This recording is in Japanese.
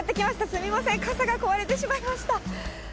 すみません、傘が壊れてしまいました。